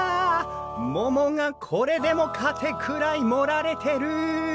桃がこれでもかってくらい盛られてる！